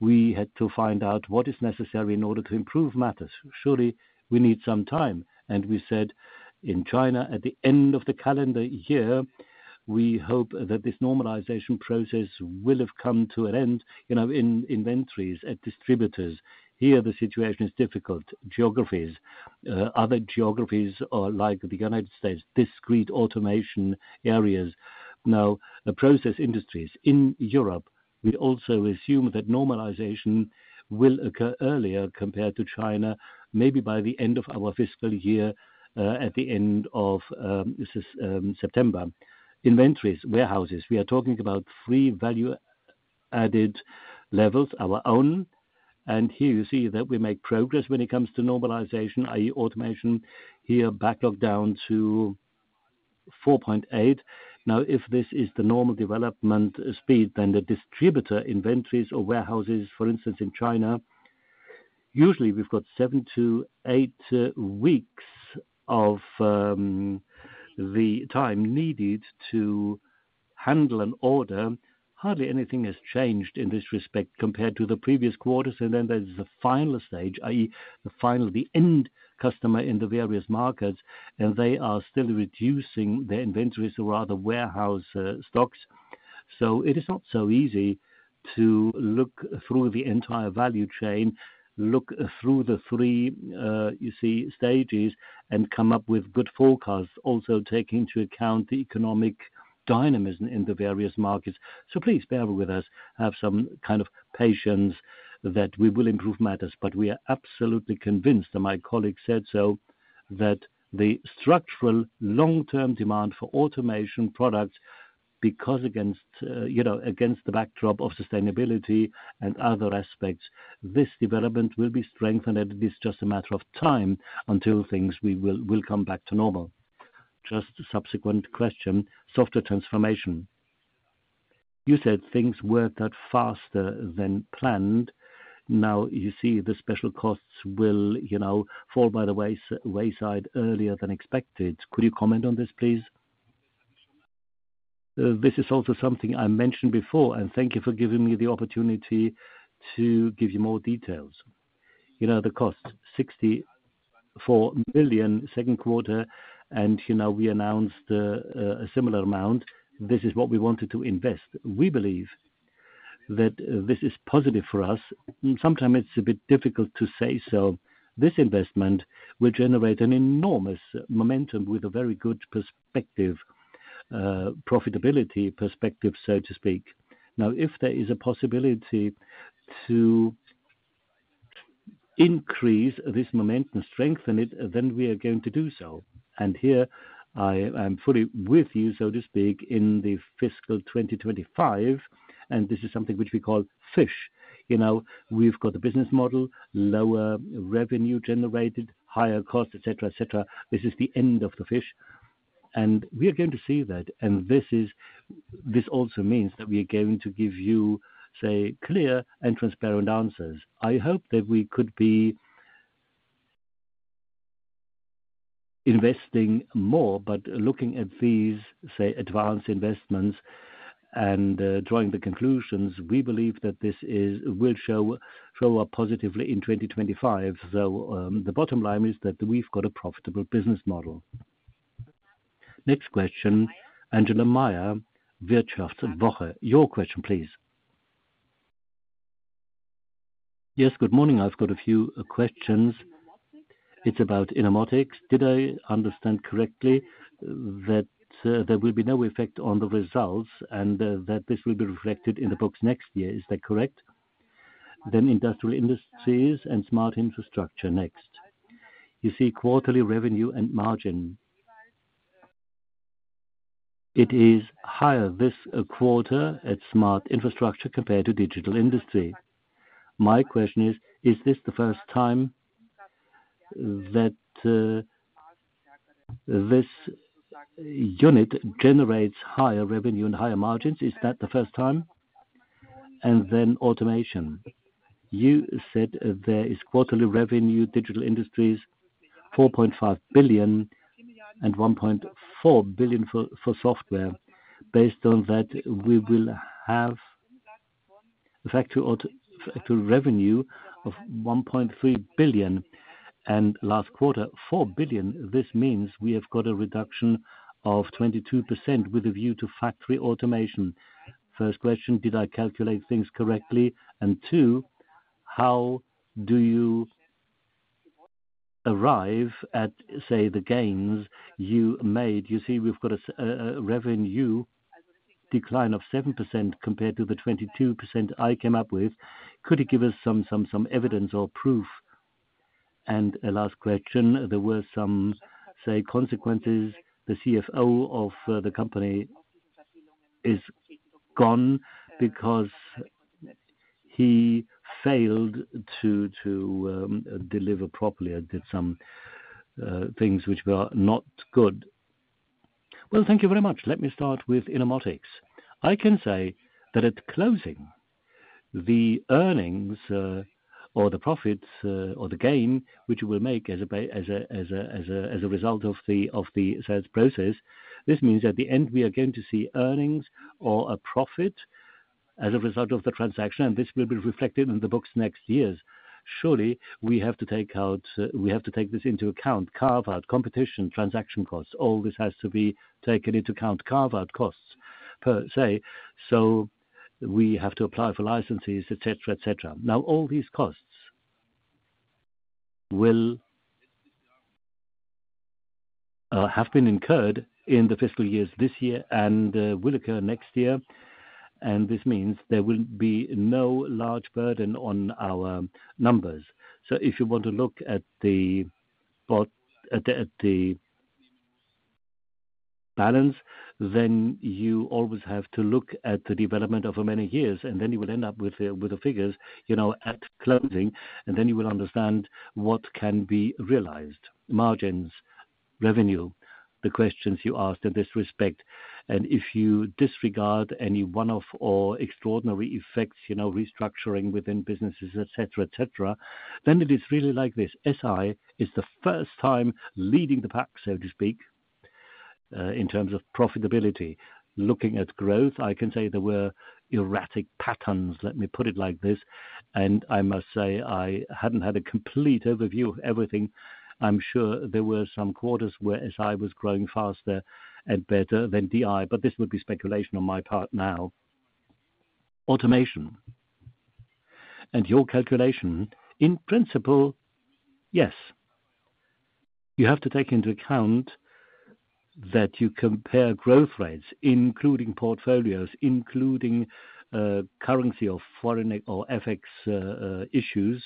We had to find out what is necessary in order to improve matters. Surely, we need some time, and we said in China, at the end of the calendar year, we hope that this normalization process will have come to an end. You know, in inventories at distributors, here, the situation is difficult. Geographies, other geographies are like the United States, discrete automation areas. Now, the process industries in Europe, we also assume that normalization will occur earlier compared to China, maybe by the end of our fiscal year, at the end of September. Inventories, warehouses, we are talking about three value-added levels, our own, and here you see that we make progress when it comes to normalization, i.e. automation, here, backlog down to 4.8. Now, if this is the normal development speed, then the distributor inventories or warehouses, for instance, in China, usually we've got 7-8 weeks of the time needed to handle an order. Hardly anything has changed in this respect compared to the previous quarters, and then there's the final stage, i.e. the final, the end customer in the various markets, and they are still reducing their inventories or rather warehouse stocks. So it is not so easy to look through the entire value chain, look through the three, you see, stages and come up with good forecasts, also taking into account the economic dynamism in the various markets. So please bear with us, have some kind of patience that we will improve matters. But we are absolutely convinced, and my colleague said so, that the structural long-term demand for automation products, because against, you know, against the backdrop of sustainability and other aspects, this development will be strengthened, and it is just a matter of time until things will come back to normal. Just a subsequent question, software transformation. You said things worked out faster than planned. Now you see the special costs will, you know, fall by the wayside earlier than expected. Could you comment on this, please? This is also something I mentioned before, and thank you for giving me the opportunity to give you more details. You know, the cost, 64 million, second quarter, and, you know, we announced a similar amount. This is what we wanted to invest. We believe that, this is positive for us. Sometimes it's a bit difficult to say so. This investment will generate an enormous momentum with a very good perspective, profitability perspective, so to speak. Now, if there is a possibility to increase this momentum, strengthen it, then we are going to do so. And here I'm fully with you, so to speak, in the fiscal 2025, and this is something which we call Fish. You know, we've got the business model, lower revenue generated, higher costs, et cetera, et cetera. This is the end of the Fish, and we are going to see that. And this also means that we are going to give you, say, clear and transparent answers. I hope that we could be investing more, but looking at these, say, advanced investments and drawing the conclusions, we believe that this will show up positively in 2025. So, the bottom line is that we've got a profitable business model. Next question, Angela Maier, WirtschaftsWoche. Your question, please. Yes, good morning. I've got a few questions. It's about Innomotics. Did I understand correctly that there will be no effect on the results and that this will be reflected in the books next year? Is that correct? Then Digital Industries and Smart Infrastructure next. You see quarterly revenue and margin. It is higher this quarter at Smart Infrastructure compared to Digital Industries. My question is, is this the first time that this unit generates higher revenue and higher margins? Is that the first time? And then automation. You said there is quarterly revenue, Digital Industries, 4.5 billion and 1.4 billion for software. Based on that, we will have factory revenue of 1.3 billion, and last quarter, 4 billion. This means we have got a reduction of 22% with a view to Factory Automation. First question, did I calculate things correctly? And two, how do you arrive at, say, the gains you made? You see, we've got a revenue decline of 7% compared to the 22% I came up with. Could you give us some evidence or proof? And a last question, there were some, say, consequences. The CFO of the company is gone because he failed to deliver properly and did some things which were not good. Well, thank you very much. Let me start with Innomotics. I can say that at closing the earnings, or the profits, or the gain, which we'll make as a payoff as a result of the sales process, this means at the end we are going to see earnings or a profit as a result of the transaction, and this will be reflected in the books next years. Surely, we have to take out, we have to take this into account, carve out competition, transaction costs, all this has to be taken into account. Carve out costs per se, so we have to apply for licenses, et cetera, et cetera. Now, all these costs will have been incurred in the fiscal years this year and will occur next year, and this means there will be no large burden on our numbers. So if you want to look at the at the balance, then you always have to look at the development over many years, and then you will end up with the, with the figures, you know, at closing, and then you will understand what can be realized, margins, revenue, the questions you asked in this respect. And if you disregard any one of or extraordinary effects, you know, restructuring within businesses, et cetera, et cetera, then it is really like this. SI is the first time leading the pack, so to speak, in terms of profitability. Looking at growth, I can say there were erratic patterns, let me put it like this, and I must say I hadn't had a complete overview of everything. I'm sure there were some quarters where SI was growing faster and better than DI, but this would be speculation on my part now. Automation, and your calculation, in principle, yes. You have to take into account that you compare growth rates, including portfolios, including, currency or foreign ex- or FX, issues.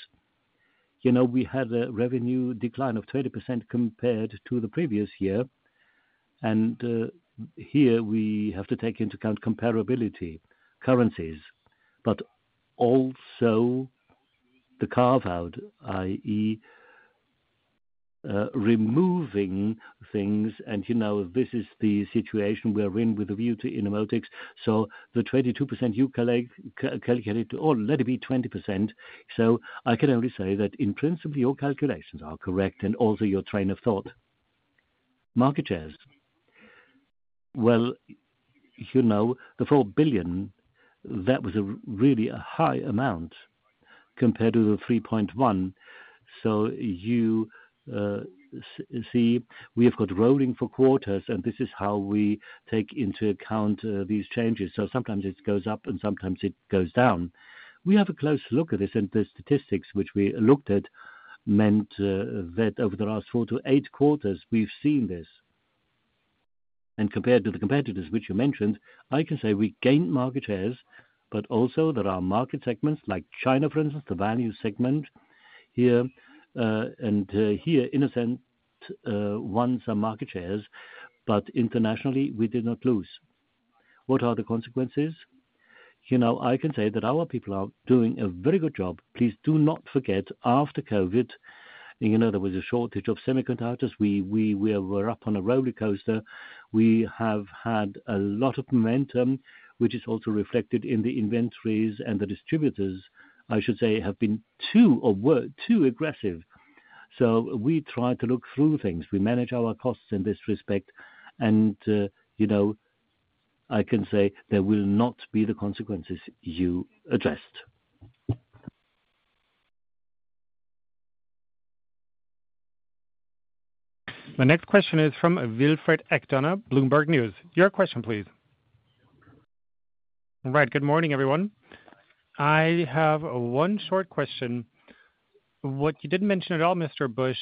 You know, we had a revenue decline of 20% compared to the previous year, and, here we have to take into account comparability, currencies, but also the carve out, i.e., removing things. And, you know, this is the situation we're in with the view to Innomotics. So the 22% you collect, calculate, or let it be 20%. So I can only say that in principle, your calculations are correct and also your train of thought. Market shares. Well, you know, the 4 billion, that was really a high amount compared to the 3.1 billion. So you see, we have got rolling 4 quarters, and this is how we take into account these changes. So sometimes it goes up, and sometimes it goes down. We have a close look at this, and the statistics which we looked at meant that over the last 4-8 quarters, we've seen this. And compared to the competitors, which you mentioned, I can say we gained market shares, but also there are market segments, like China, for instance, the value segment here, and here in a sense won some market shares, but internationally, we did not lose. What are the consequences? You know, I can say that our people are doing a very good job. Please do not forget, after COVID, you know, there was a shortage of semiconductors. We were up on a rollercoaster. We have had a lot of momentum, which is also reflected in the inventories and the distributors, I should say, have been too or were too aggressive. So we try to look through things. We manage our costs in this respect, and, you know, I can say there will not be the consequences you addressed. My next question is from Wilfried Eckl-Dorna, Bloomberg News. Your question, please. Right. Good morning, everyone. I have one short question. What you didn't mention at all, Mr. Busch,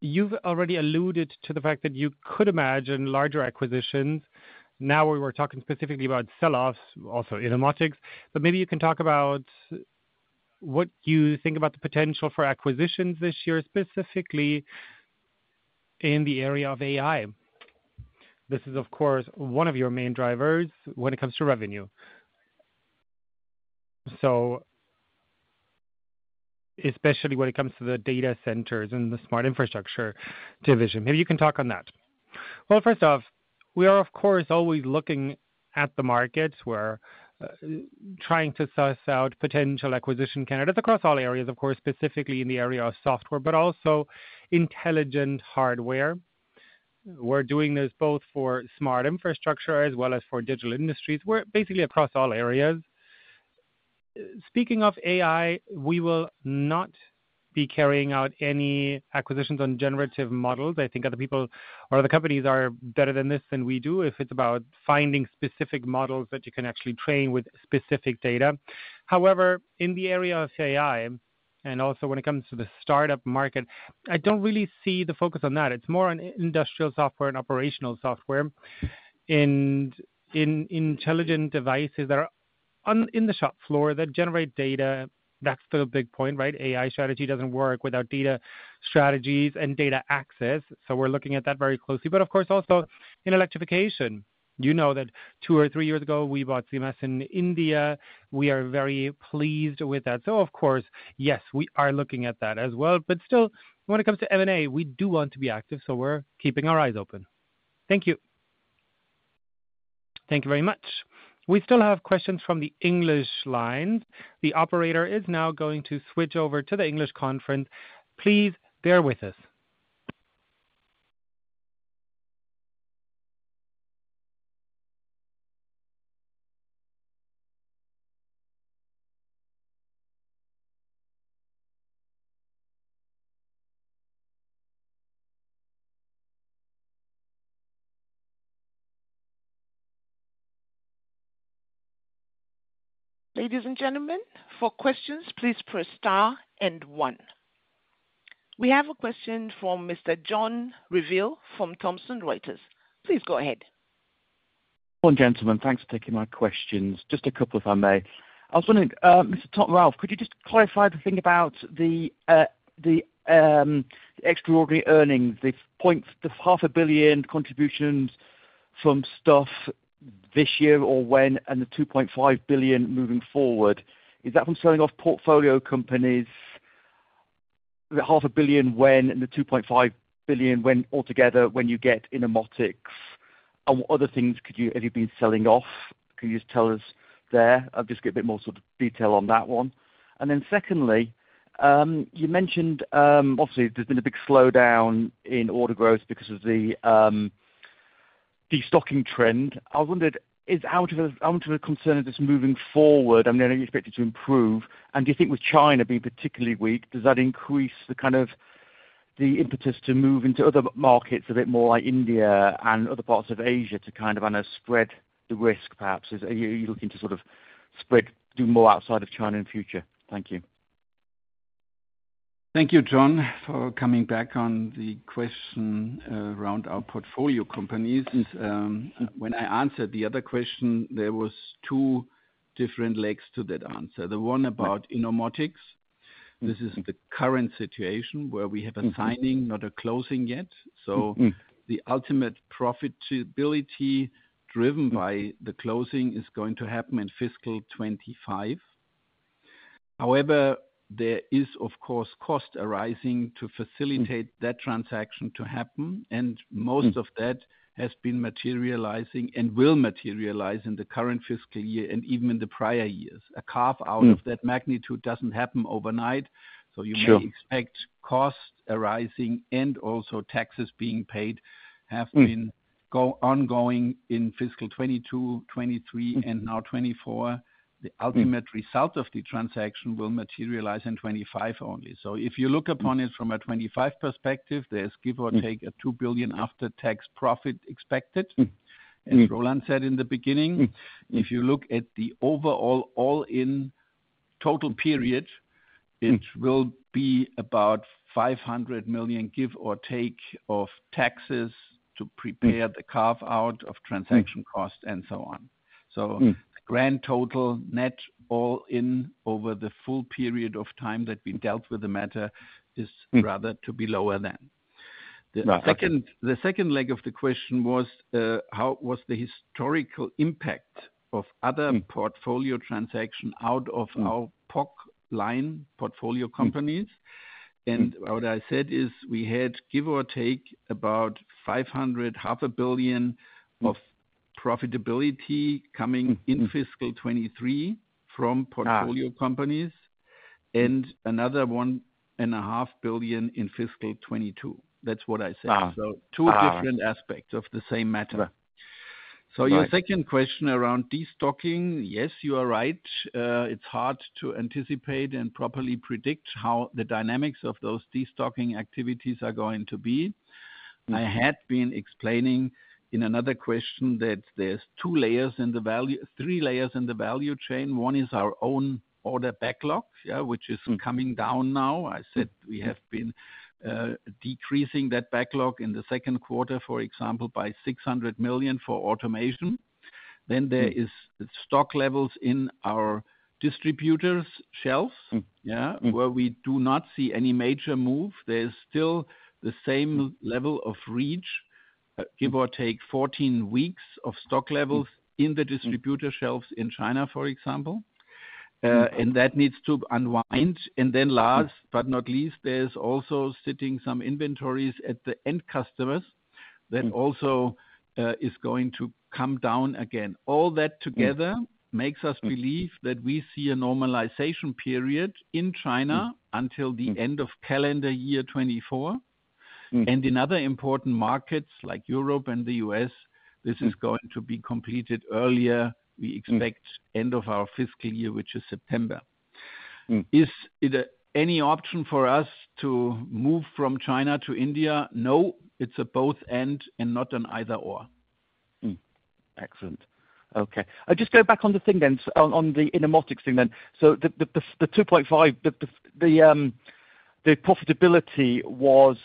you've already alluded to the fact that you could imagine larger acquisitions. Now, we were talking specifically about sell-offs, also Innomotics, but maybe you can talk about what you think about the potential for acquisitions this year, specifically in the area of AI. This is, of course, one of your main drivers when it comes to revenue.... So especially when it comes to the data centers and the Smart Infrastructure division, maybe you can talk on that. Well, first off, we are of course, always looking at the markets. We're trying to suss out potential acquisition candidates across all areas, of course, specifically in the area of software, but also intelligent hardware. We're doing this both for Smart Infrastructure as well as for Digital Industries, we're basically across all areas. Speaking of AI, we will not be carrying out any acquisitions on generative models. I think other people or other companies are better than this than we do, if it's about finding specific models that you can actually train with specific data. However, in the area of AI, and also when it comes to the startup market, I don't really see the focus on that. It's more on industrial software and operational software, in intelligent devices that are on the shop floor that generate data. That's the big point, right? AI strategy doesn't work without data strategies and data access, so we're looking at that very closely. But of course, also in Electrification. You know that two or three years ago, we bought C&S in India. We are very pleased with that. So of course, yes, we are looking at that as well. But still, when it comes to M&A, we do want to be active, so we're keeping our eyes open. Thank you. Thank you very much. We still have questions from the English line. The operator is now going to switch over to the English conference. Please bear with us. Ladies and gentlemen, for questions, please press star and one. We have a question from Mr. John Revill from Thomson Reuters. Please go ahead. Good morning, gentlemen. Thanks for taking my questions. Just a couple, if I may. I was wondering, Mr. Ralf Thomas, could you just clarify the thing about the extraordinary earnings, the points, the 0.5 billion contributions from stuff this year or when, and the 2.5 billion moving forward? Is that from selling off portfolio companies? The 0.5 billion when, and the 2.5 billion when, altogether, when you get Innomotics, and what other things could you have been selling off? Can you just tell us there? I'll just get a bit more sort of detail on that one. And then secondly, you mentioned, obviously, there's been a big slowdown in order growth because of the destocking trend. I was wondering, is out of a concern of this moving forward, I mean, are you expected to improve? And do you think with China being particularly weak, does that increase the kind of the impetus to move into other markets a bit more like India and other parts of Asia to kind of, kinda spread the risk, perhaps? Are you looking to sort of spread, do more outside of China in future? Thank you. Thank you, John, for coming back on the question around our portfolio companies. When I answered the other question, there was two different legs to that answer. The one about Innomotics. This is the current situation where we have a signing, not a closing yet. So the ultimate profitability driven by the closing is going to happen in fiscal 25. However, there is, of course, cost arising to facilitate that transaction to happen, and most of that has been materializing and will materialize in the current fiscal year and even in the prior years. A carve out of that magnitude doesn't happen overnight. Sure. so you may expect costs arising and also taxes being paid have been ongoing in fiscal 2022, 2023, and now 2024. The ultimate result of the transaction will materialize in 2025 only. So if you look upon it from a 2025 perspective, there's give or take a 2 billion after-tax profit expected. As Roland said in the beginning, if you look at the overall, all-in total period, it will be about 500 million, give or take, of taxes to prepare the carve out of transaction costs and so on. Mm. The grand total net, all in over the full period of time that we dealt with the matter, is rather to be lower than. Right, okay. The second, the second leg of the question was, how was the historical impact of other portfolio transaction out of our POC line portfolio companies? And what I said is: we had, give or take, about 500 million, 0.5 billion of profitability coming in fiscal 2023 from portfolio companies, and another 1.5 billion in fiscal 2022. That's what I said. Ah. So two different aspects of the same matter. Right. So your second question around destocking, yes, you are right. It's hard to anticipate and properly predict how the dynamics of those destocking activities are going to be. I had been explaining in another question that there's two layers in the value-- three layers in the value chain. One is our own order backlog, yeah, which is coming down now. I said we have been decreasing that backlog in the second quarter, for example, by 600 million for automation. Then there is stock levels in our distributors' shelves- Mm. Yeah, where we do not see any major move. There is still the same level of reach, give or take 14 weeks of stock levels in the distributor shelves in China, for example, and that needs to unwind. And then last but not least, there's also sitting some inventories at the end customers that also is going to come down again. All that together makes us believe that we see a normalization period in China until the end of calendar year 2024. And in other important markets like Europe and the US, this is going to be completed earlier. We expect end of our fiscal year, which is September. Mm. Is there any option for us to move from China to India? No, it's a both-and, and not an either-or. Excellent. Okay. I'll just go back on the thing then, on the Innomotics thing then. So the 2.5 profitability was...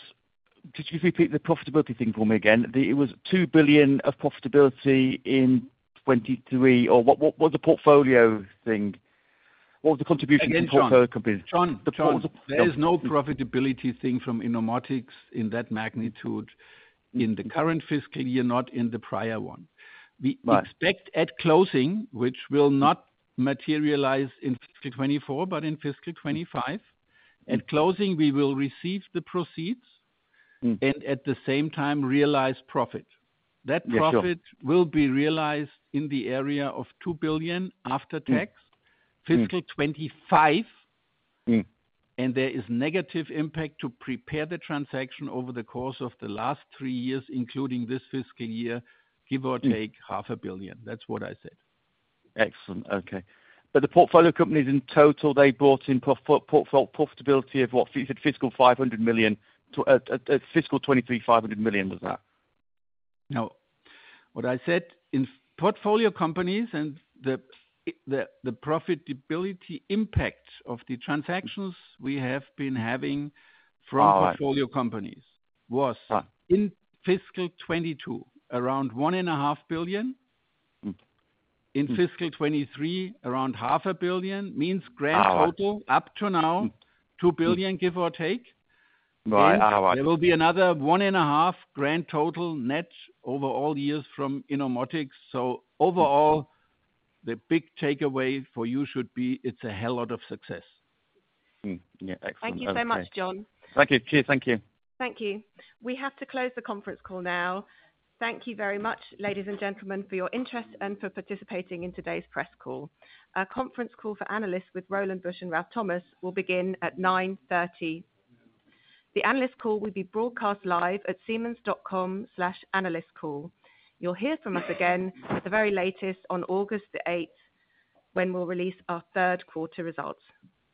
Could you repeat the profitability thing for me again? It was 2 billion of profitability in 2023, or what, what's the portfolio thing? What was the contribution- Again, John. The portfolio company. John, John. Yeah. There is no profitability thing from Innomotics in that magnitude in the current fiscal year, not in the prior one. Right. We expect at closing, which will not materialize in fiscal 2024, but in fiscal 2025. At closing, we will receive the proceeds- Mm. and at the same time realize profit. Yeah, sure. That profit will be realized in the area of 2 billion after tax. Mm. -fiscal 'twenty-five. Mm. There is negative impact to prepare the transaction over the course of the last three years, including this fiscal year, give or take 500 million. That's what I said. Excellent. Okay. But the portfolio companies in total, they brought in portfolio profitability of what? Fiscal 500 million to fiscal 2023, 500 million, was that? No. What I said, in portfolio companies and the profitability impact of the transactions we have been having- Oh, I see. from portfolio companies was Uh. - in fiscal 2022, around EUR 1.5 billion. Mm. In fiscal 2023, around 500 million. Means grand- Ah! Total up to now, 2 billion, give or take. Right. There will be another 1.5 billion total net over all years from Innomotics. Overall, the big takeaway for you should be it's a hell lot of success. Mm. Yeah, excellent. Thank you so much, John. Thank you. Cheers. Thank you. Thank you. We have to close the conference call now. Thank you very much, ladies and gentlemen, for your interest and for participating in today's press call. Our conference call for analysts with Roland Busch and Ralf Thomas will begin at 9:30 A.M. The analyst call will be broadcast live at Siemens.com/analystcall. You'll hear from us again, at the very latest on August 8, when we'll release our third quarter results.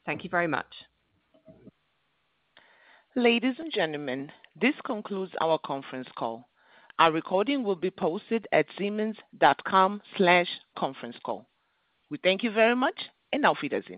Thank you very much. Ladies and gentlemen, this concludes our conference call. Our recording will be posted at Siemens.com/conferencecall. We thank you very much, and auf Wiedersehen.